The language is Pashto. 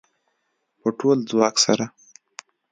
په ټول ځواک سره